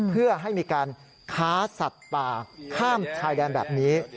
เพื่อให้มีการค้าสัตว์ป่าข้ามชายแดนแบบนี้